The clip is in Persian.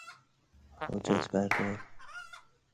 حاجت بردار